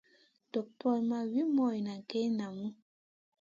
Doktora ma wi moyne geyn namu.